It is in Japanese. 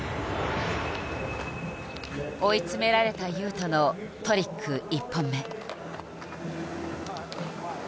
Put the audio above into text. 追い詰められた雄斗のトリック１本目。